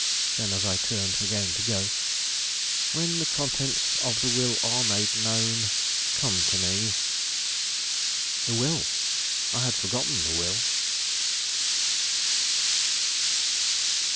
Then, as I turned again to go: "When the contents of the will are made known, come to me." The will! I had forgotten the will.